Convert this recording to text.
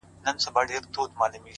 د دغه ښار ښکلي غزلي خیالوري غواړي ـ